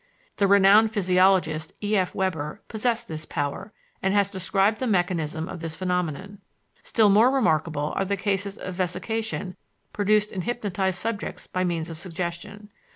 The renowned physiologist, E. F. Weber, possessed this power, and has described the mechanism of the phenomenon. Still more remarkable are the cases of vesication produced in hypnotized subjects by means of suggestion.